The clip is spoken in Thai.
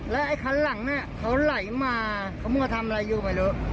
แล้วไอ้คันหลังเนี่ยเขาไหลมาเขามาทำอะไรอยู่ไม่รู้